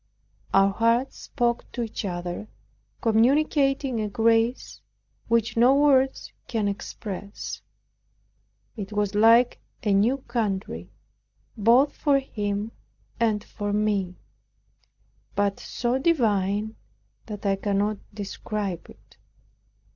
Our hearts spoke to each other, communicating a grace which no words can express. It was like a new country, both for him and for me; but so divine, that I cannot describe it.